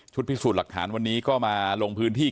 พิสูจน์หลักฐานวันนี้ก็มาลงพื้นที่